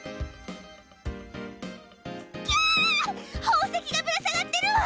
宝石がぶら下がってるわ！